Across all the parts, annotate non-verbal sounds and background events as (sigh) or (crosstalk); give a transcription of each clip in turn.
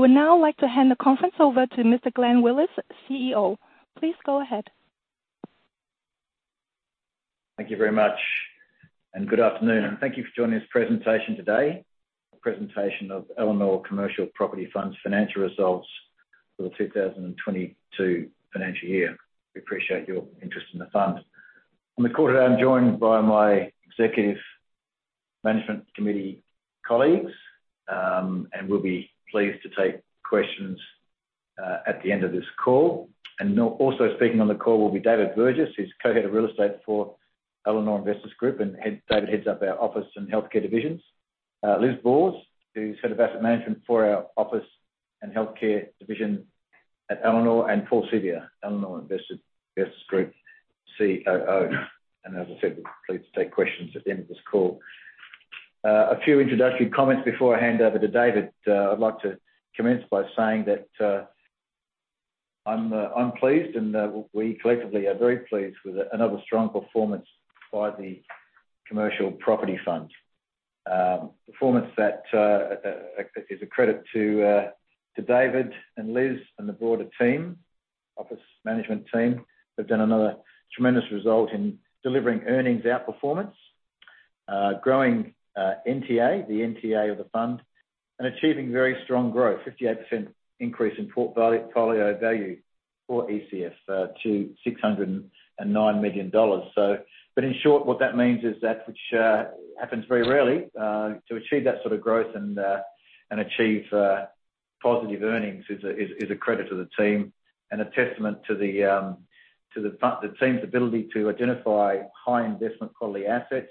I would now like to hand the conference over to Mr. Glenn Willis, CEO. Please go ahead. Thank you very much, and good afternoon, and thank you for joining this presentation today, a presentation of Elanor Commercial Property Fund's financial results for the 2022 financial year. We appreciate your interest in the fund. On the call today, I'm joined by my executive management committee colleagues, and we'll be pleased to take questions at the end of this call. Also speaking on the call will be David Burgess, who's co-head of real estate for Elanor Investors Group, and David heads up our office and healthcare divisions. Liz Bors, who's head of asset management for our office and healthcare division at Elanor, and Paul Siviour, Elanor Investors Group COO. As I said, we're pleased to take questions at the end of this call. A few introductory comments before I hand over to David. I'd like to commence by saying that, I'm pleased, and we collectively are very pleased with another strong performance by the Commercial Property Fund. Performance that is a credit to David and Liz and the broader team, office management team. They've done another tremendous result in delivering earnings outperformance, growing NTA, the NTA of the fund, and achieving very strong growth, 58% increase in portfolio value for ECF to 609 million dollars. In short, what that means is that which happens very rarely to achieve that sort of growth and achieve positive earnings is a credit to the team and a testament to the team's ability to identify high investment quality assets,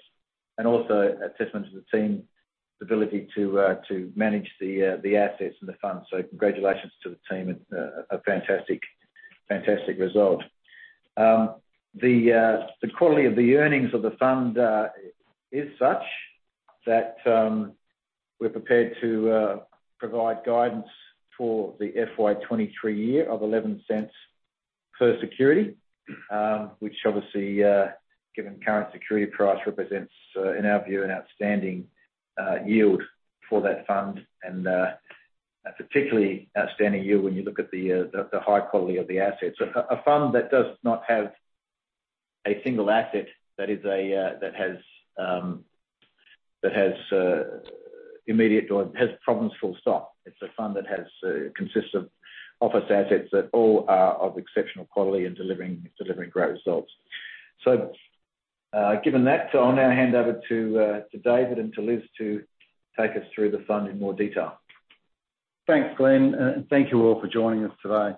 and also a testament to the team's ability to manage the assets and the fund. Congratulations to the team. It's a fantastic result. The quality of the earnings of the fund is such that we're prepared to provide guidance for the FY 2023 year of 0.11 per security, which obviously, given current security price, represents, in our view, an outstanding yield for that fund. A particularly outstanding yield when you look at the high quality of the assets. A fund that does not have a single asset that has immediate problems, full stop. It's a fund that consists of office assets that all are of exceptional quality and delivering great results. Given that, I'll now hand over to David and Liz to take us through the fund in more detail. Thanks, Glenn, and thank you all for joining us today.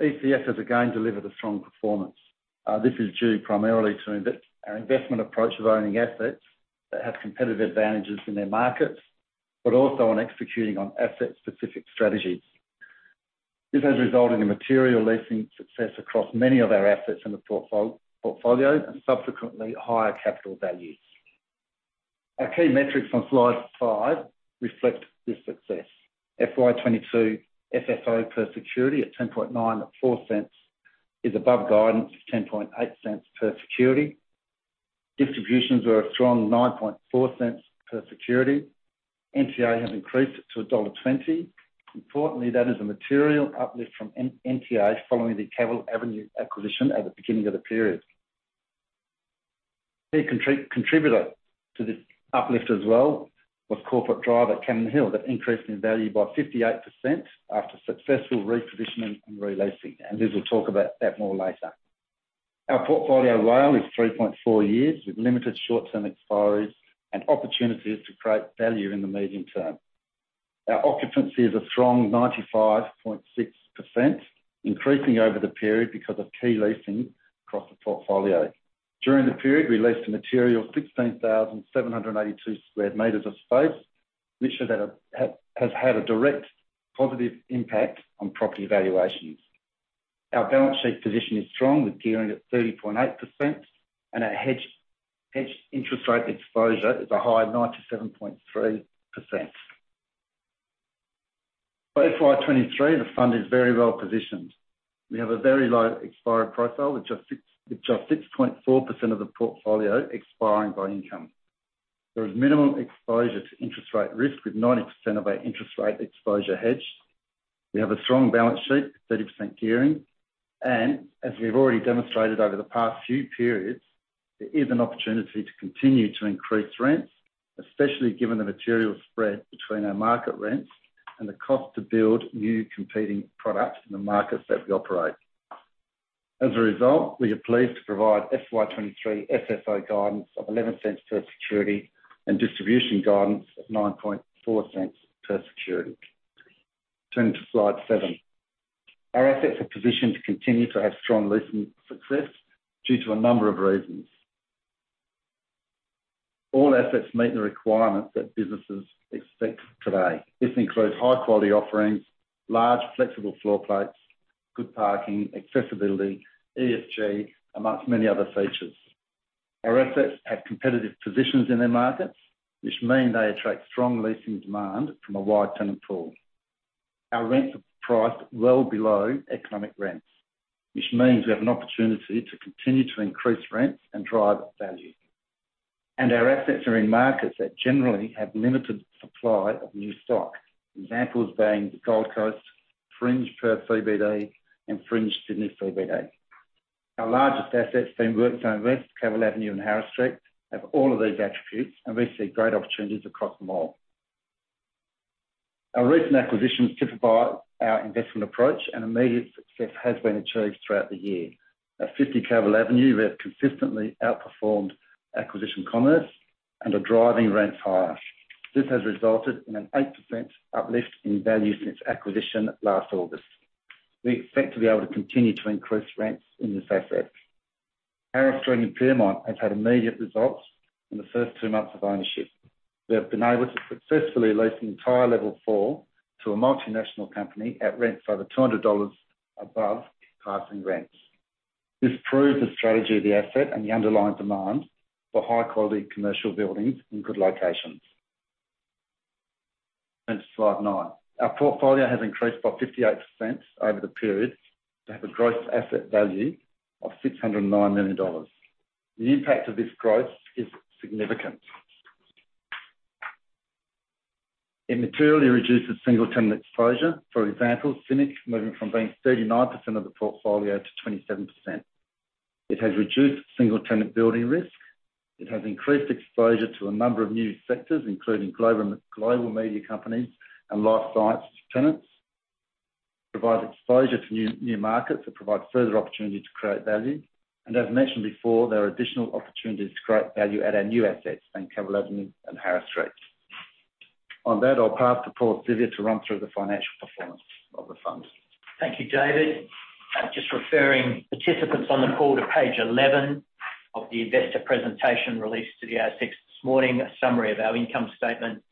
ECF has again delivered a strong performance. This is due primarily to our investment approach of owning assets that have competitive advantages in their markets, but also on executing on asset-specific strategies. This has resulted in material leasing success across many of our assets in the portfolio, and subsequently, higher capital values. Our key metrics on slide five reflect this success. FY 2022 FFO per security at 0.1094 is above guidance of 0.108 per security. Distributions were a strong 0.094 per security. NTA has increased to dollar 1.20. Importantly, that is a material uplift from NTA following the Cavill Avenue acquisition at the beginning of the period. Key contributor to this uplift as well was Corporate Drive at Cannon Hill. That increased in value by 58% after successful repositioning and re-leasing, and Liz will talk about that more later. Our portfolio WALE is 3.4 years, with limited short-term expiries and opportunities to create value in the medium term. Our occupancy is a strong 95.6%, increasing over the period because of key leasing across the portfolio. During the period, we leased a material 16,782 square meters of space, which has had a direct positive impact on property valuations. Our balance sheet position is strong, with gearing at 30.8%, and our hedged interest rate exposure is a high 97.3%. For FY 2023, the fund is very well positioned. We have a very low expiry profile, with just 6.4% of the portfolio expiring by income. There is minimum exposure to interest rate risk, with 90% of our interest rate exposure hedged. We have a strong balance sheet, 30% gearing, and as we've already demonstrated over the past few periods, there is an opportunity to continue to increase rents, especially given the material spread between our market rents and the cost to build new competing products in the markets that we operate. As a result, we are pleased to provide FY 2023 FFO guidance of 0.11 per security and distribution guidance of 0.094 per security. Turning to slide seven. Our assets are positioned to continue to have strong leasing success due to a number of reasons. All assets meet the requirements that businesses expect today. This includes high-quality offerings, large, flexible floor plates, good parking, accessibility, ESG, among many other features. Our assets have competitive positions in their markets, which mean they attract strong leasing demand from a wide tenant pool. Our rents are priced well below economic rents, which means we have an opportunity to continue to increase rents and drive up value. Our assets are in markets that generally have limited supply of new stock. Examples being the Gold Coast, fringe Perth CBD, and fringe Sydney CBD. Our largest assets being WorkZone West, Cavill Avenue, and Harris Street, have all of these attributes, and we see great opportunities across them all. Our recent acquisitions typify our investment approach, and immediate success has been achieved throughout the year. At 50 Cavill Avenue, we have consistently outperformed acquisition guidance and are driving rents higher. This has resulted in an 8% uplift in value since acquisition last August. We expect to be able to continue to increase rents in this asset. Harris Street in Pyrmont has had immediate results in the first two months of ownership. We have been able to successfully lease the entire level four to a multinational company at rents over 200 dollars above passing rents. This proves the strategy of the asset and the underlying demand for high-quality commercial buildings in good locations. On to slide nine. Our portfolio has increased by 58% over the period to have a gross asset value of 609 million dollars. The impact of this growth is significant. It materially reduces single-tenant exposure. For example, CIMIC moving from being 39% of the portfolio to 27%. It has reduced single-tenant building risk. It has increased exposure to a number of new sectors, including global media companies and life science tenants. Provides exposure to new markets that provide further opportunity to create value. As mentioned before, there are additional opportunities to create value at our new assets in Cavill Avenue and Harris Street. On that, I'll pass to Paul Siviour to run through the financial performance of the fund. Thank you, David. Just referring participants on the call to page 11 of the investor presentation released to the ASX this morning, a summary of our income statement.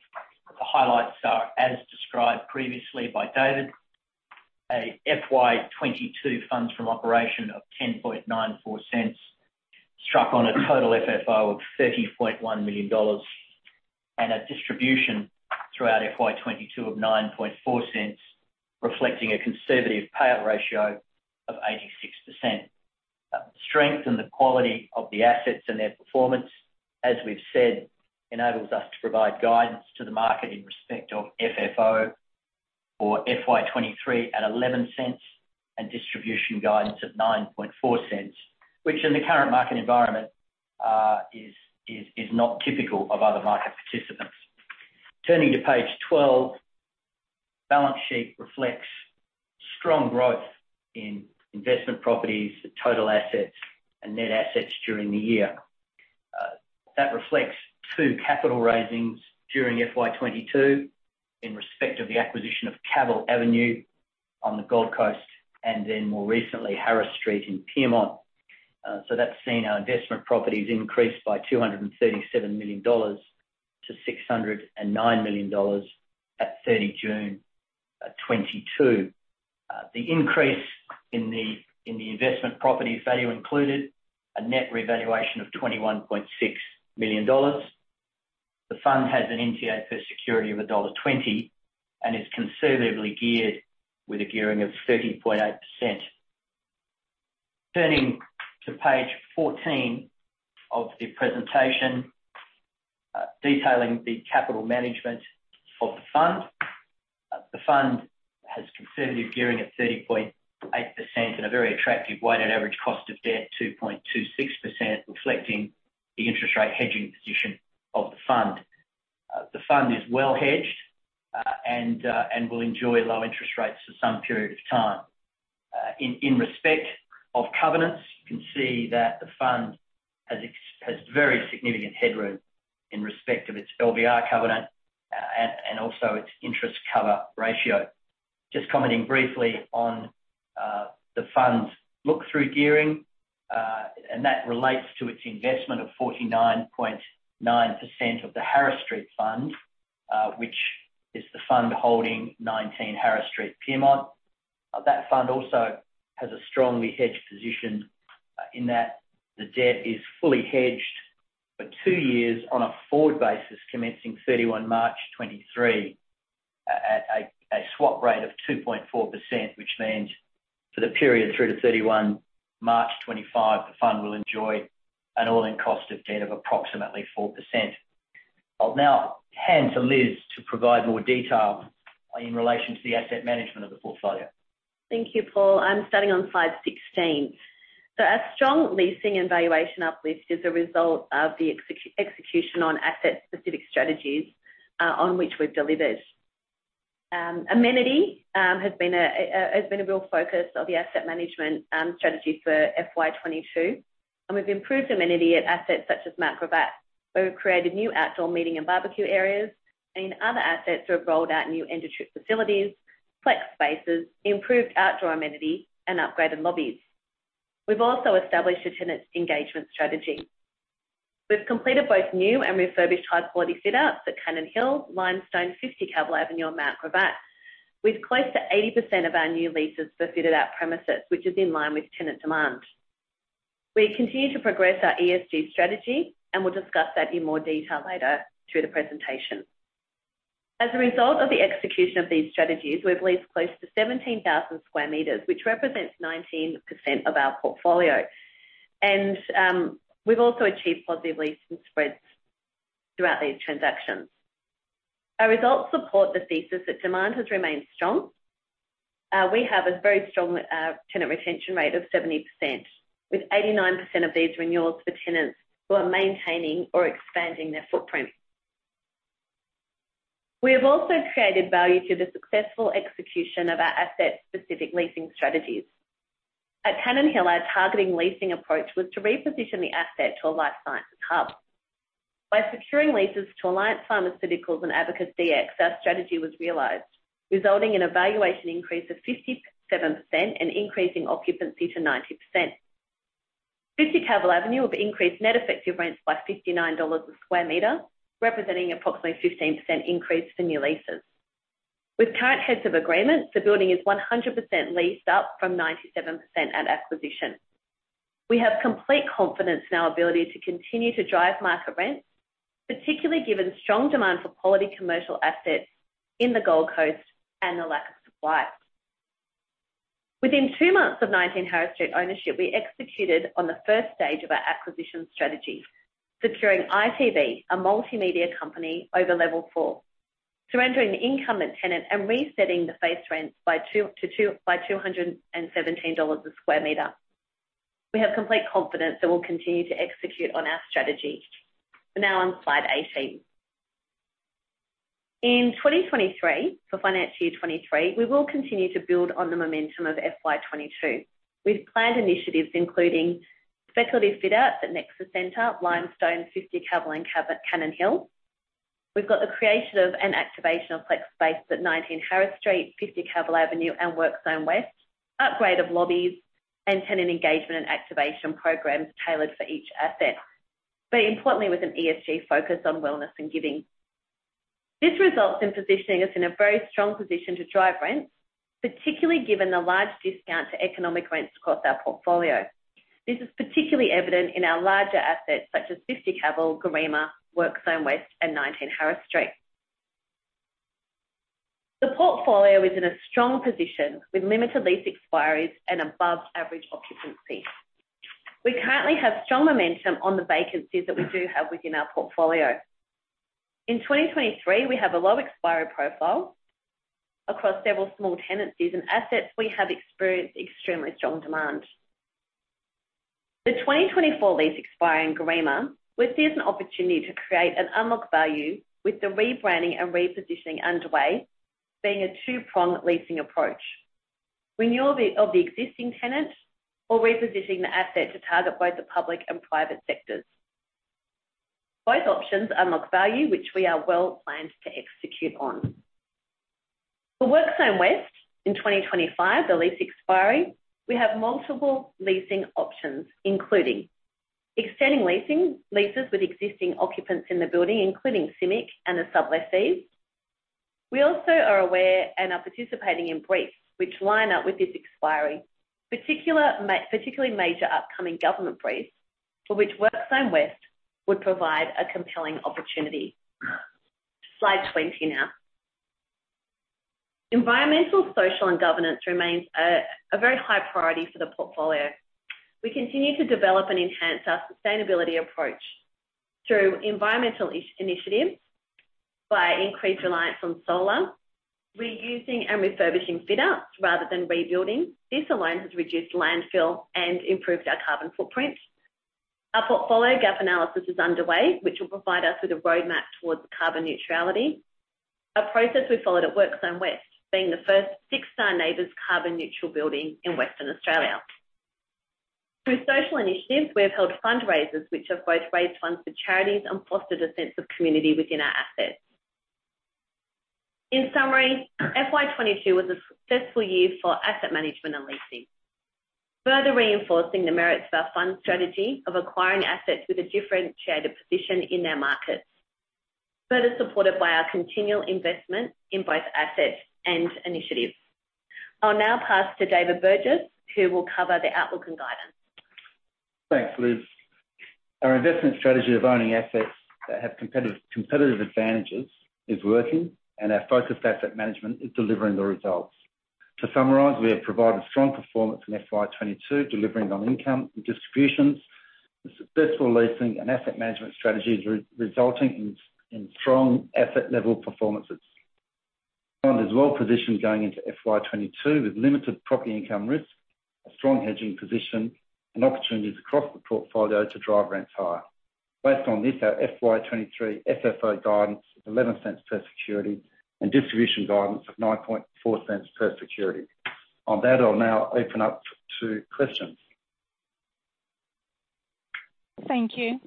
The highlights are as described previously by David. FY 2022 funds from operation of 0.1094, struck on a total FFO of 30.1 million dollars. A distribution throughout FY 2022 of 0.094, reflecting a conservative payout ratio of 86%. The strength and the quality of the assets and their performance, as we've said, enables us to provide guidance to the market in respect of FFO for FY 2023 at 0.11 and distribution guidance at 0.094, which in the current market environment is not typical of other market participants. Turning to page 12. Balance sheet reflects strong growth in investment properties, total assets, and net assets during the year. That reflects two capital raisings during FY 2022 in respect of the acquisition of Cavill Avenue on the Gold Coast, and then more recently, Harris Street in Pyrmont. That's seen our investment properties increase by 237 million dollars to 609 million dollars at June 30 2022. The increase in the investment properties value included a net revaluation of 21.6 million dollars. The fund has an NTA per security of dollar 1.20 and is conservatively geared with a gearing of 30.8%. Turning to page 14 of the presentation, detailing the capital management of the fund. The fund has conservative gearing at 30.8% and a very attractive weighted average cost of debt, 2.26%, reflecting the interest rate hedging position of the fund. The fund is well hedged and will enjoy low interest rates for some period of time. In respect of covenants, you can see that the fund has very significant headroom in respect of its LVR covenant and also its interest cover ratio. Just commenting briefly on the fund's look-through gearing and that relates to its investment of 49.9% of the Harris Street Fund, which is the fund holding 19 Harris Street, Pyrmont. That fund also has a strongly hedged position in that the debt is fully hedged for two years on a forward basis, commencing March 31 2023 at a swap rate of 2.4%, which means for the period through to March 31 2025, the fund will enjoy an all-in cost of debt of approximately 4%. I'll now hand to Liz to provide more detail in relation to the asset management of the portfolio. Thank you, Paul. I'm starting on slide 16. Our strong leasing and valuation uplift is a result of the execution on asset-specific strategies on which we've delivered. Amenity has been a real focus of the asset management strategy for FY 2022, and we've improved amenity at assets such as Mount Gravatt, where we've created new outdoor meeting and barbecue areas. In other assets, we've rolled out new end-of-trip facilities, flex spaces, improved outdoor amenity, and upgraded lobbies. We've also established a tenant engagement strategy. We've completed both new and refurbished high-quality fit-outs at Cannon Hill, Limestone, 50 Cavill Avenue, and Mount Gravatt, with close to 80% of our new leases for fitted-out premises, which is in line with tenant demand. We continue to progress our ESG strategy, and we'll discuss that in more detail later through the presentation. As a result of the execution of these strategies, we've leased close to 17,000 square meters, which represents 19% of our portfolio. We've also achieved positive leasing spreads throughout these transactions. Our results support the thesis that demand has remained strong. We have a very strong tenant retention rate of 70%, with 89% of these renewals for tenants who are maintaining or expanding their footprint. We have also created value through the successful execution of our asset-specific leasing strategies. At Cannon Hill, our targeting leasing approach was to reposition the asset to a life sciences hub. By securing leases to Alliance Pharmaceuticals and Advocate Bx, our strategy was realized, resulting in a valuation increase of 57% and increasing occupancy to 90%. 50 Cavill Avenue will increase net effective rents by 59 dollars a square meter, representing approximately 15% increase for new leases. With current heads of agreement, the building is 100% leased up from 97% at acquisition. We have complete confidence in our ability to continue to drive market rents, particularly given strong demand for quality commercial assets in the Gold Coast and the lack of supply. Within two months of 19 Harris Street ownership, we executed on the first stage of our acquisition strategy, securing ITV, a multimedia company, over level four, surrendering the incumbent tenant and resetting the face rents by 217 dollars a square meter. We have complete confidence that we'll continue to execute on our strategy. We're now on slide 18. In 2023, for financial year 2023, we will continue to build on the momentum of FY 2022. We've planned initiatives including speculative fit-outs at Nexus Center, Limestone, 50 Cavill, and Cannon Hill. We've got the creation of an activation of flex space at 19 Harris Street, 50 Cavill Avenue, and WorkZone West, upgrade of lobbies and tenant engagement and activation programs tailored for each asset, but importantly with an ESG focus on wellness and giving. This results in positioning us in a very strong position to drive rents, particularly given the large discount to economic rents across our portfolio. This is particularly evident in our larger assets such as 50 Cavill, Garema, WorkZone West, and 19 Harris Street. The portfolio is in a strong position with limited lease expiries and above average occupancy. We currently have strong momentum on the vacancies that we do have within our portfolio. In 2023, we have a low expiry profile across several small tenancies and assets. We have experienced extremely strong demand. The 2024 lease expiry in Garema Court, we see as an opportunity to create and unlock value with the rebranding and repositioning underway, being a two-prong leasing approach. Renewal of the existing tenant or repositioning the asset to target both the public and private sectors. Both options unlock value, which we are well planned to execute on. For WorkZone West, in 2025, the lease expiry, we have multiple leasing options, including extending leases with existing occupants in the building, including CIMIC and the sublessees. We also are aware and are participating in briefs which line up with this expiry. Particularly major upcoming government briefs for which WorkZone West would provide a compelling opportunity. Slide 20 now. Environmental, social, and governance remains a very high priority for the portfolio. We continue to develop and enhance our sustainability approach through environmental initiatives, by increased reliance on solar, reusing and refurbishing fit-outs rather than rebuilding. This alone has reduced landfill and improved our carbon footprint. Our portfolio gap analysis is underway, which will provide us with a roadmap towards carbon neutrality. A process we followed at WorkZone West, being the first six-star NABERS carbon-neutral building in Western Australia. Through social initiatives, we have held fundraisers which have both raised funds for charities and fostered a sense of community within our assets. In summary, FY 2022 was a successful year for asset management and leasing, further reinforcing the merits of our fund strategy of acquiring assets with a differentiated position in their markets, further supported by our continual investment in both assets and initiatives. I'll now pass to David Burgess, who will cover the outlook and guidance. Thanks, Liz. Our investment strategy of owning assets that have competitive advantages is working, and our focused asset management is delivering the results. To summarize, we have provided strong performance in FY 2022, delivering on income and distributions. The successful leasing and asset management strategies resulting in strong asset level performances. Fund is well positioned going into FY 2022 with limited property income risk, a strong hedging position, and opportunities across the portfolio to drive rents higher. Based on this, our FY 2023 FFO guidance is 0.11 per security and distribution guidance of 0.094 per security. On that, I'll now open up to questions. Thank you.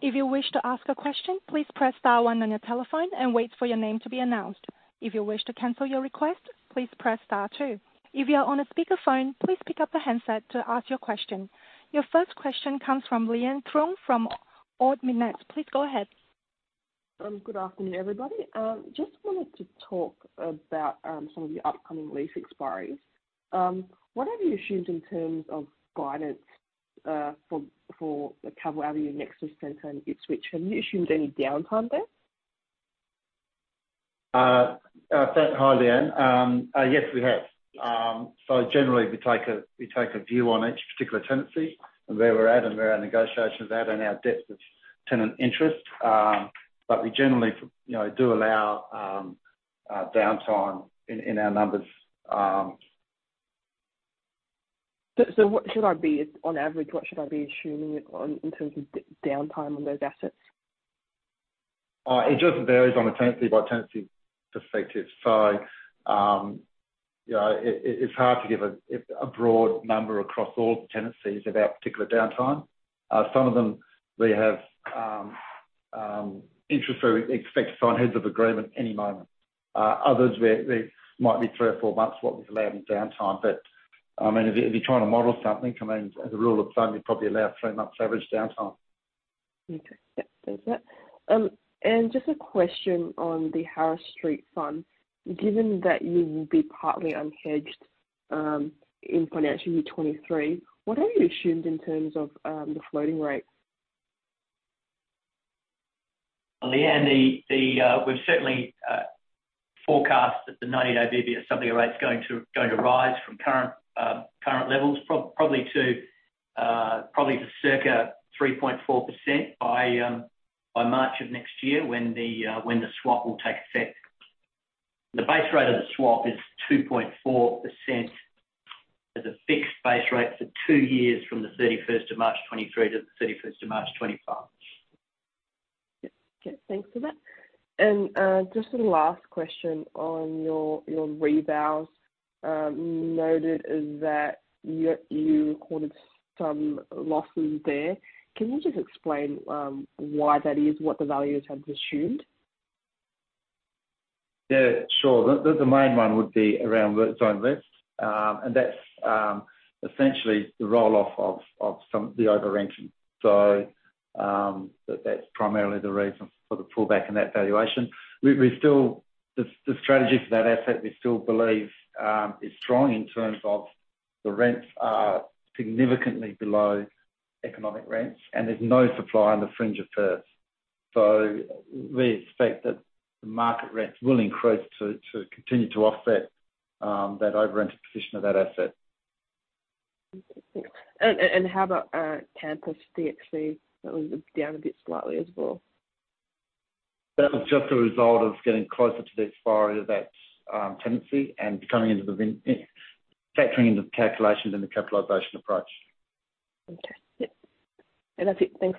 If you wish to ask a question, please press star one on your telephone and wait for your name to be announced. If you wish to cancel your request, please press star two. If you are on a speakerphone, please pick up the handset to ask your question. Your first question comes from Leanne Truong from Ord Minnett. Please go ahead. Good afternoon, everybody. Just wanted to talk about some of the upcoming lease expiries. What have you assumed in terms of guidance? For the Cavill Avenue Nexus Center in Ipswich. Have you assumed any downtime there? Hi, Leanne. Yes, we have. Generally we take a view on each particular tenancy and where we're at and where our negotiation's at and our depth of tenant interest. We generally, you know, do allow downtime in our numbers. On average, what should I be assuming it on in terms of downtime on those assets? It just varies on a tenancy by tenancy perspective. You know, it is hard to give a broad number across all tenancies about particular downtime. Some of them we have interest where we expect to sign heads of agreement any moment. Others where there might be three or four months what we've allowed in downtime. I mean, if you're trying to model something, I mean, as a rule of thumb, you'd probably allow three months average downtime. Okay. Yep, thanks for that. Just a question on the Harris Street Fund. Given that you will be partly unhedged in financial year 2023, what have you assumed in terms of the floating rates? Leanne, we've certainly forecast that the 90 day BBSW rate's going to rise from current levels probably to circa 3.4% by March of next year when the swap will take effect. The base rate of the swap is 2.4% as a fixed base rate for two years from the 31st of March 2023 to the 31st of March 2025. Yep. Okay, thanks for that. Just a last question on your revals. You noted that you recorded some losses there. Can you just explain why that is, what the valuers have assumed? Yeah, sure. The main one would be around WorkZone West. That's essentially the roll-off of some of the over rent. That's primarily the reason for the pullback in that valuation. We still believe the strategy for that asset is strong in terms of the rents are significantly below economic rents, and there's no supply on the fringe of Perth. We expect that the market rents will increase to continue to offset that over rented position of that asset. Okay, thanks. How about Campus DXC that was down a bit slightly as well? That was just a result of getting closer to the expiry of that, tenancy and coming into the factoring into the calculations and the capitalization approach. Okay. Yep. That's it. Thanks.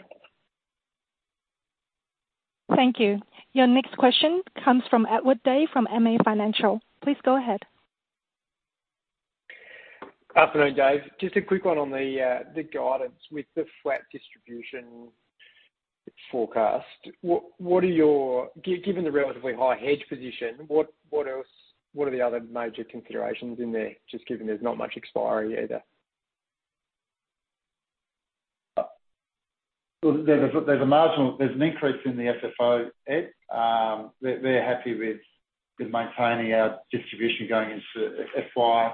Thank you. Your next question comes from Edward Day from MA Financial. Please go ahead. Afternoon, guys. Just a quick one on the guidance with the flat distribution forecast. What are your given the relatively high hedge position, what else, what are the other major considerations in there, just given there's not much expiry either? There's an increase in the FFO, Edward. We're happy with maintaining our distribution going into FY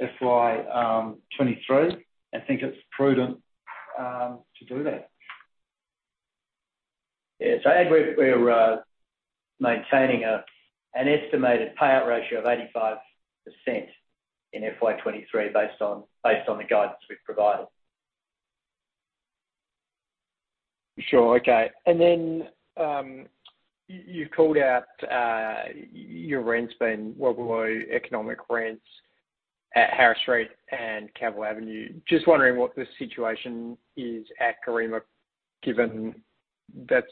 2023, and think it's prudent to do that. Yeah. Edward, we're maintaining an estimated payout ratio of 85% in FY 2023 based on the guidance we've provided. Sure. Okay. You've called out your rent's been well below economic rents at Harris Street and Cavill Avenue. Just wondering what the situation is at Garema, given that's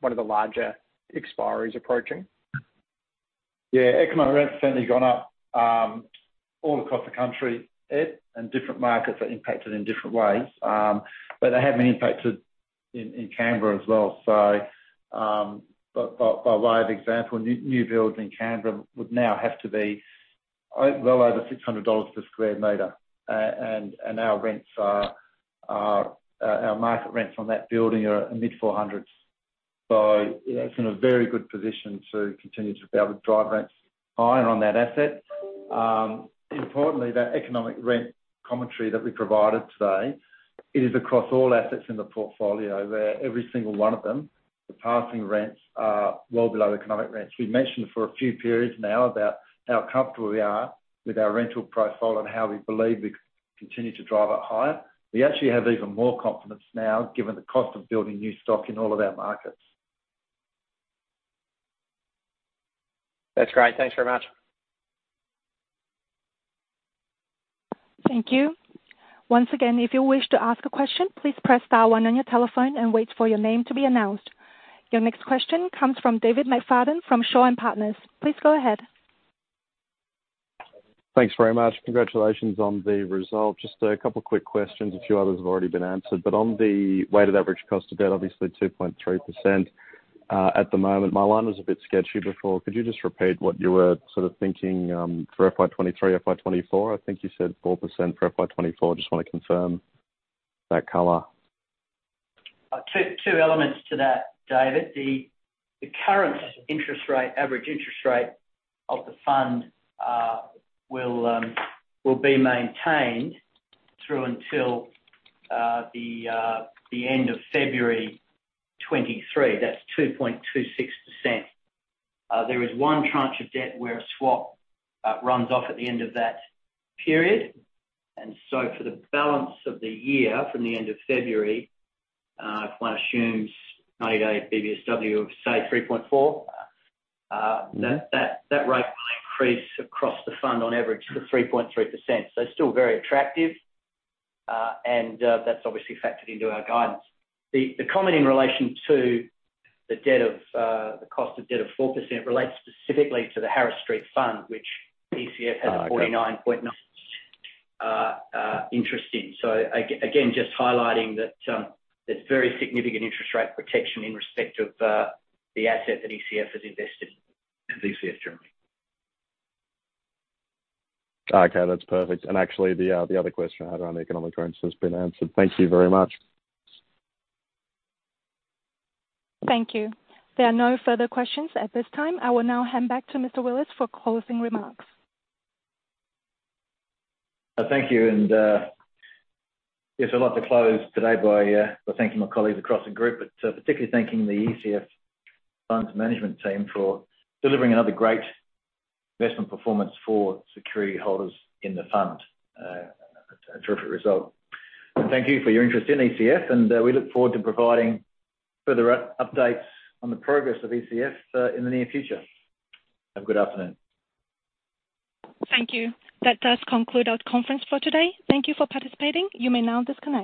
one of the larger expiries approaching. Yeah. Economic rent certainly gone up all across the country, Ed, and different markets are impacted in different ways. They haven't impacted in Canberra as well. By way of example, new builds in Canberra would now have to be well over 600 dollars per square meter, and our rents are our market rents on that building are mid AUD 400s. It's in a very good position to continue to be able to drive rents higher on that asset. Importantly, that economic rent commentary that we provided today, it is across all assets in the portfolio, where every single one of them, the passing rents are well below economic rents. We've mentioned for a few periods now about how comfortable we are with our rental profile and how we believe we can continue to drive it higher. We actually have even more confidence now given the cost of building new stock in all of our markets. That's great. Thanks very much. Thank you. Once again, if you wish to ask a question, please press star one on your telephone and wait for your name to be announced. Your next question comes from David McFadden from Shaw and Partners. Please go ahead. Thanks very much. Congratulations on the result. Just a couple of quick questions. A few others have already been answered, but on the weighted average cost of debt, obviously 2.3% at the moment. My line was a bit sketchy before. Could you just repeat what you were sort of thinking for FY 2023, FY 2024? I think you said 4% for FY 2024. Just wanna confirm that color. Two elements to that, David. The current interest rate, average interest rate of the fund, will be maintained through until the end of February 2023. That's 2.26%. There is one tranche of debt where a swap runs off at the end of that period. For the balance of the year from the end of February, if one assumes 90 day BBSW of, say, 3.4, that rate will increase across the fund on average to 3.3%. Still very attractive, and that's obviously factored into our guidance. The comment in relation to the debt of the cost of debt of 4% relates specifically to the Harris Street Fund, which ECF has (crosstalk) a 49.9% interest in. Again, just highlighting that, there's very significant interest rate protection in respect of the asset that ECF is invested in through ECF Germany. Okay, that's perfect. Actually, the other question I had around the economic rents has been answered. Thank you very much. Thank you. There are no further questions at this time. I will now hand back to Mr. Willis for closing remarks. Thank you. Yes, I'd like to close today by thanking my colleagues across the group, but particularly thanking the ECF funds management team for delivering another great investment performance for security holders in the fund. A terrific result. Thank you for your interest in ECF, and we look forward to providing further updates on the progress of ECF in the near future. Have a good afternoon. Thank you. That does conclude our conference for today. Thank you for participating. You may now disconnect.